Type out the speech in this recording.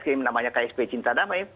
yang namanya ksp cinta damai